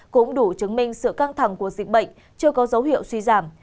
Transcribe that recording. cũng đủ chứng minh sự căng thẳng của dịch bệnh chưa có dấu hiệu suy giảm